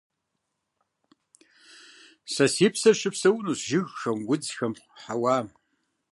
Сэ си псэр щыпсэунцущ жыгхэм, удзхэм, хьэуам.